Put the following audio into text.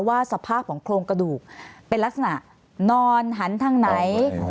ว่าสภาพของโครงกระดูกเป็นลักษณะนอนหันทางไหน